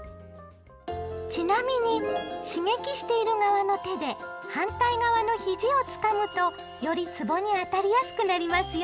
ちなみに刺激している側の手で反対側の肘をつかむとよりつぼに当たりやすくなりますよ！